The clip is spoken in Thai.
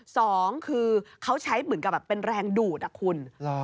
สองคือเขาใช้เหมือนกับแบบเป็นแรงดูดอ่ะคุณ